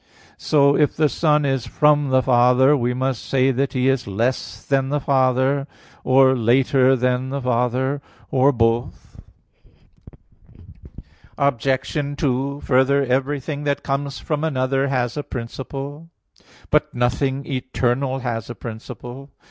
So if the Son is from the Father, we must say that He is less than the Father, or later than the Father, or both. Obj. 2: Further, everything that comes from another has a principle. But nothing eternal has a principle.